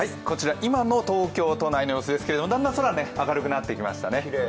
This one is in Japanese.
こちら、今の東京都内の様子ですけれどもだんだん空、明るくなってきましたね。